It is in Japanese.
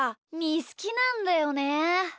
ーすきなんだよね。